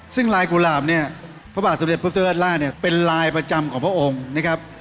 ซึ่งลายกุหลาบเนี่ยพระบาทสมเด็จพุทธราชล่าเนี่ยเป็นลายประจำของพระองค์นะครับ